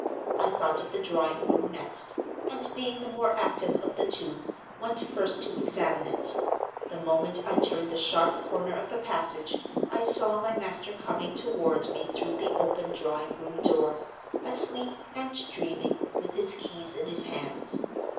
I thought of the drawing room next, and, being the more active of the two, went first to examine it. The moment I turned the sharp corner of the passage, I saw my master coming toward me through the open drawing room door, asleep and dreaming, with his keys in his hands.